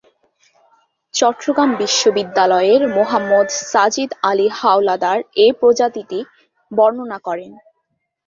চট্টগ্রাম বিশ্ববিদ্যালয়ের মোহাম্মদ সাজিদ আলী হাওলাদার এই প্রজাতিটি বর্ণনা করেন।